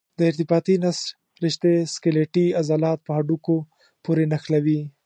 د ارتباطي نسج رشتې سکلیټي عضلات په هډوکو پورې نښلوي.